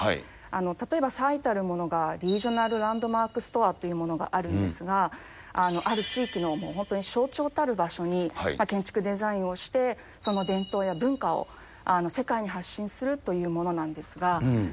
例えば最たるものが、リージョナルランドマークストアというのがあるんですが、ある地域の本当に象徴たる場所に、建築デザインをして、その伝統や文化を世界に発信するというものなんですが。